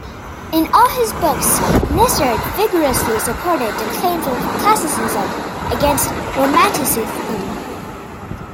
In all his books Nisard vigorously supported the claims of classicism against romanticism.